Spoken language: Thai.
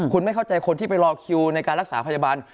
คุณไม่เข้าใจคนที่ไปรอคิวในการรักษาพยาบาล